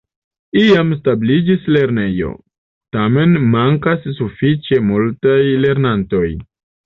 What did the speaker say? Iam establiĝis lernejo, tamen mankas sufiĉe multaj lernantoj.